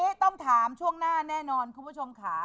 นี่ต้องถามช่วงหน้าแน่นอนคุณผู้ชมค่ะ